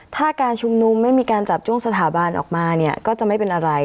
ถ้าการชุมนุมไม่มีการจับจ้วงสถาบันออกมาเนี่ยก็จะไม่เป็นอะไร